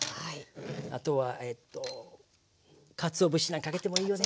あとはえっとかつお節なんかかけてもいいよね。